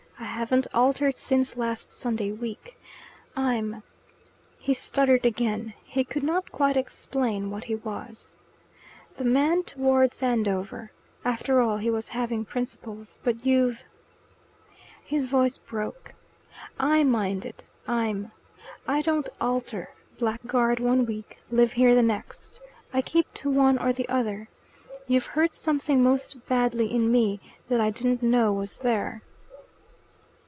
I haven't altered since last Sunday week. I'm " He stuttered again. He could not quite explain what he was. "The man towards Andover after all, he was having principles. But you've " His voice broke. "I mind it I'm I don't alter blackguard one week live here the next I keep to one or the other you've hurt something most badly in me that I didn't know was there."